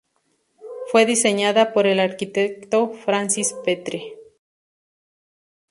Fue diseñada por el arquitecto Francis Petre.